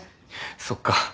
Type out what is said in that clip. そっか。